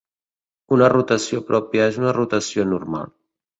Una rotació pròpia és una rotació normal.